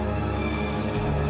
aku mau kita sekedar balik